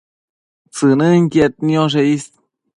tsënënquied nioshe is